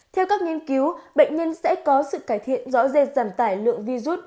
theo các nghiên cứu bệnh nhân sẽ có sự cải thiện rõ rệt giảm tải lượng virus